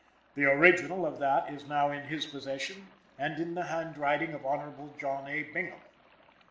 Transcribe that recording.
The original of that is now in his possession and in the hand writing of Hon. John A. Bingham.